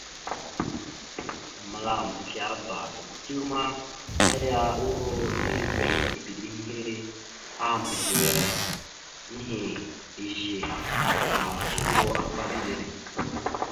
Mǝlam esleaba, dew ma, aya uro ille veɗ ebehiŋire aha mbazləwar nehe izze, ka uro ahpaɗ iɗel.